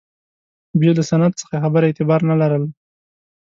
بې له سند څخه خبره اعتبار نه لرله.